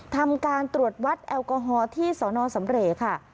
ทำการตรวจวัดแอลกอฮอล์ที่สนสัมเหร่